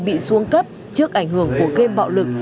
bị xuống cấp trước ảnh hưởng của game bạo lực